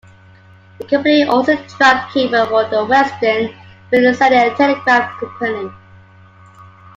The company also dropped cable for the Western and Brazilian Telegraph Company.